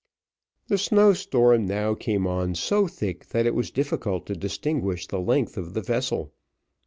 The snow storm now came on so thick that it was difficult to distinguish the length of the vessel.